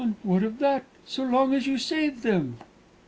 "And what of that, so long as you save them?"